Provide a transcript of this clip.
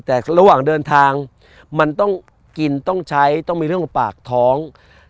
แต่ระหว่างเดินทางมันต้องกินต้องใช้ต้องมีเรื่องกับปากท้อง